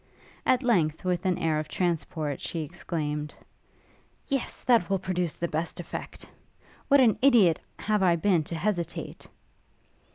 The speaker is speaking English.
At length, with an air of transport, she exclaimed, 'Yes! that will produce the best effect! what an idiot have I been to hesitate!'